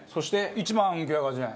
１万９８０円。